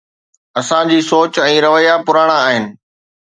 اسان جي سوچ ۽ رويا پراڻا آهن.